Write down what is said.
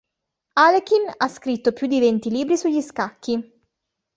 Alechin ha scritto più di venti libri sugli scacchi.